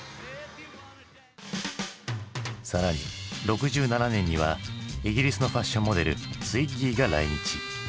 更に６７年にはイギリスのファッションモデルツイッギーが来日。